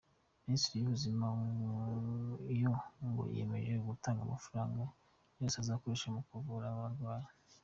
Minisiteri y’Ubuzima yo ngo yiyemeje gutanga amafaranga yose azakoreshwa mu kuvura aba barwayi.